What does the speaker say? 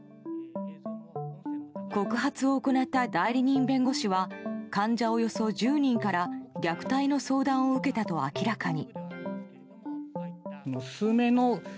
告発を行った代理人弁護士からは患者およそ１０人から虐待の相談を受けたと明らかに。